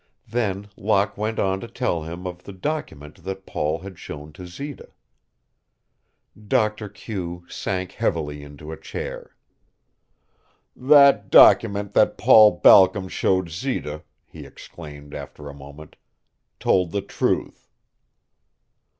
Then Locke went on to tell him of the document that Paul had shown to Zita. Doctor Q sank heavily into a chair. "That document that Paul Balcom showed Zita," he exclaimed, after a moment, "told the truth."